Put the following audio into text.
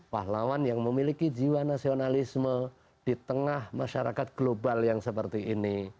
pahlawan yang memiliki jiwa nasionalisme di tengah masyarakat global yang seperti ini